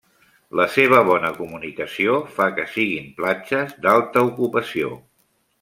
La seva bona comunicació fa que siguin platges d’alta ocupació.